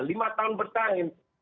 lima tahun bertahan